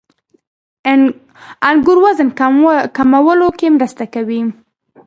• انګور وزن کمولو کې مرسته کوي.